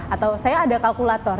atau saya ada kalkulator